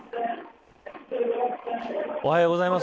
おはようございます。